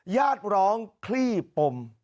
ญาติร้องคลี่ปม